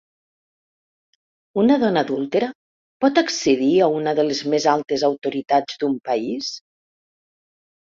Una dona adúltera pot accedir a una de les més altes autoritats d'un país?